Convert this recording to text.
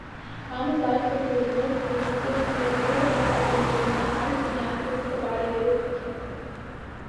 Амза, аҵлақәа иргәылԥхо иахькыдыз, иара здам ыҟамыз акәны, ажәҩани Адгьыл ԥсабареи ирыҵаҽырбон.